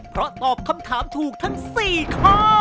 เพราะตอบคำถามถูกทั้ง๔ข้อ